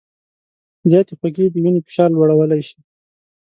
زیاتې خوږې د وینې فشار لوړولی شي.